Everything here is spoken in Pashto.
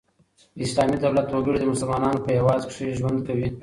د اسلامي دولت وګړي د مسلمانانو په هيواد کښي ژوند کوي.